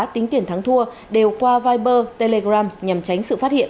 tính tiền thắng thua đều qua viber telegram nhằm tránh sự phát hiện